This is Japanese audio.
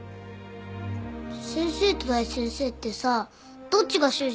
先生と大先生ってさどっちが習字うまいの？